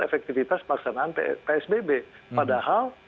efektivitas pelaksanaan psbb padahal